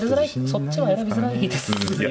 そっちは選びづらいですよね。